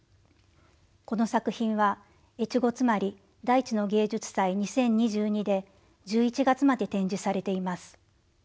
この作品は越後妻有大地の芸術祭２０２２で１１月まで展示されています。